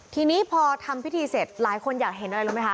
ทีนี้พอทำพิธีเสร็จหลายคนอยากเห็นอะไรรู้ไหมคะ